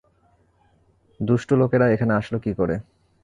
দুষ্টু লোকেরা এখানে আসলো কী করে?